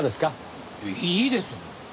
いいです。